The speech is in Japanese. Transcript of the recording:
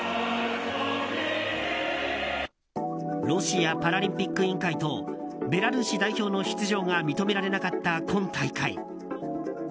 ロシアパラリンピック委員会とベラルーシ代表の出場が認められなかった今大会。